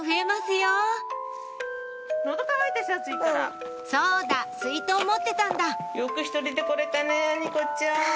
よく１人で来れたねぇにこちゃん。